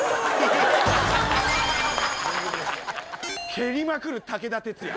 蹴りまくる武田鉄矢。